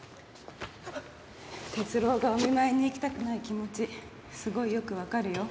哲郎がお見舞いに行きたくない気持ちすごいよくわかるよ。